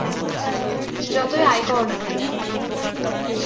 যতই আয় কর না কেন।